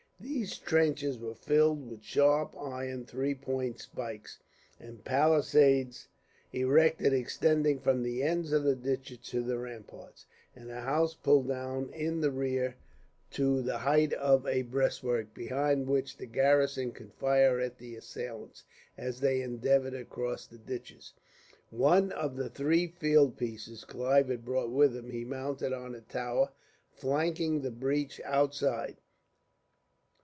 These trenches were filled with sharp iron three pointed spikes, and palisades erected extending from the ends of the ditches to the ramparts, and a house pulled down in the rear to the height of a breastwork, behind which the garrison could fire at the assailants, as they endeavoured to cross the ditches. One of the three field pieces Clive had brought with him he mounted on a tower, flanking the breach outside.